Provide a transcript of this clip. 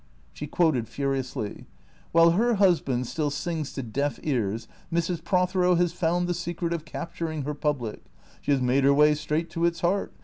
She quoted furiously, "' While her husband still sings to deaf ears, Mrs. Prothero has found the secret of capturing her public. She has made her way straight to its heart.